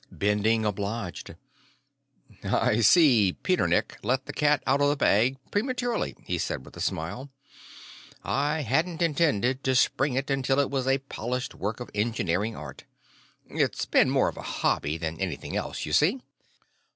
Bending obliged. "I see Petternek let the cat out of the bag prematurely," he said with a smile. "I hadn't intended to spring it until it was a polished work of engineering art. It's been more of a hobby than anything else, you see."